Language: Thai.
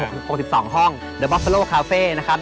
ก็คือว่าแรงกำหนด๖๒ห้องบอกแล้วกาเฟ่ฟังหรือกาเฟ่นะครับ